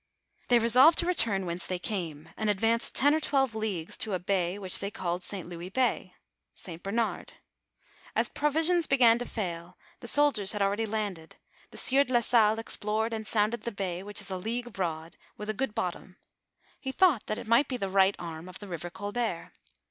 They resolved to return whence they came, and advanced ten or twelve leagues to a bay which they called St. Louis bay (St. Bernard), As provisions began to fail, the soldiers had already landed, the sieur de la Salle explored and sounded the bay which is a league broad, with a good bottom. He thought that it might be the right arm of the river Colbert.